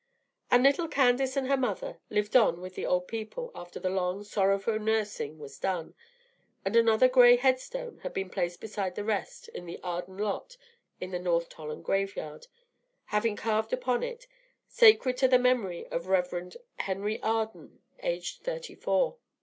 And little Candace and her mother lived on with the old people after the long, sorrowful nursing was done, and another gray headstone had been placed beside the rest in the Arden lot in the North Tolland graveyard, having carved upon it, "Sacred to the memory of the Rev. Henry Arden, aged thirty four.